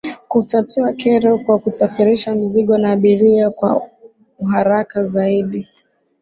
Kutatua kero kwa kusafirisha mizigo na abiria kwa uharaka zaidi